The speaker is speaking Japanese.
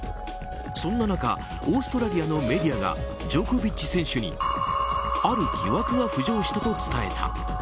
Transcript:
そんな中オーストラリアのメディアがジョコビッチ選手にある疑惑が浮上したと伝えた。